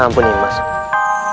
jangan lupa like share dan subscribe